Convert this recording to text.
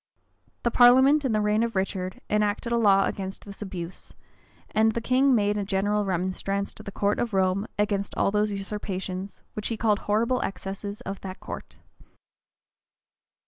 The parliament, in the reign of Richard, enacted a law against this abuse: and the king made a general remonstrance to the court of Rome against all those usurpations, which he calls "horrible excesses" of that court.